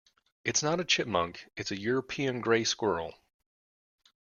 It's not a chipmunk: it's a European grey squirrel.